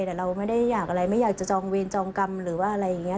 แต่เราไม่ได้อยากอะไรไม่อยากจะจองเวรจองกรรมหรือว่าอะไรอย่างนี้